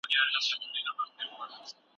لارښود استاد شاګرد ته د ماخذونو لارښوونه کوي.